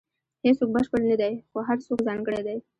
• هیڅوک بشپړ نه دی، خو هر څوک ځانګړی دی.